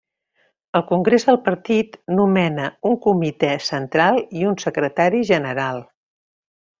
El congrés del partit nomena un Comitè Central i un Secretari General.